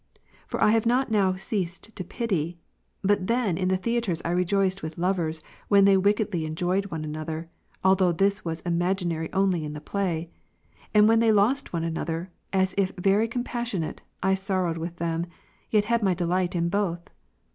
For I have not now ceased to pity ; but then in the theatres I rejoiced with lovers, when they wickedly enjoyed one another, although this was imaginary only in the play. And when they lost one anothei', as if very compassionate, 1 sorrowed with them, yet had my delight in both.